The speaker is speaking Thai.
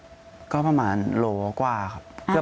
ถุกลงจุฏที่เกิดเหตุใกล้บ้านคุณแค่ไหน